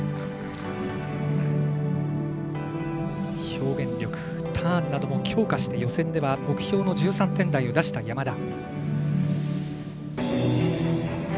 表現力ターンなども強化して予選では目標の１３点台を出した山田。